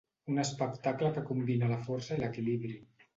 Un espectacle que combina la força i l’equilibri.